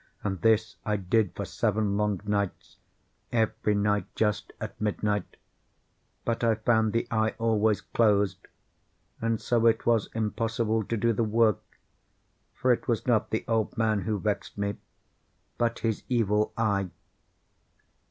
And this I did for seven long nights—every night just at midnight—but I found the eye always closed; and so it was impossible to do the work; for it was not the old man who vexed me, but his Evil Eye.